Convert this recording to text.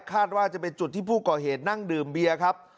คาดว่าจะเป็นจุดที่ผู้ก่อเหตุนั่งดื่มเบียร์ครับ